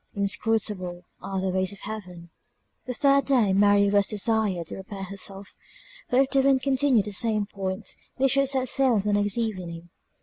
Inscrutable are the ways of Heaven! The third day Mary was desired to prepare herself; for if the wind continued in the same point, they should set sail the next evening.